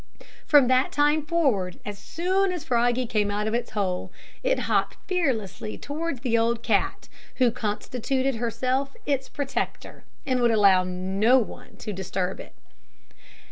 From that time forward, as soon as Froggy came out of its hole, it hopped fearlessly towards the old cat, who constituted herself its protector, and would allow no one to disturb it.